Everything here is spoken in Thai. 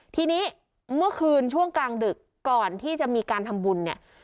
ทีนี้เมื่อคืนช่วงกลางดึกก่อนที่จะมีการทำบุญเนี่ย